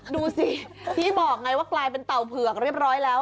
ดูสิที่บอกไงว่ากลายเป็นเต่าเผือกเรียบร้อยแล้ว